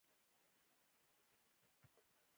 هغه سوداګر په شيکاګو ښار کې د پاتې کېدو هوډ وکړ.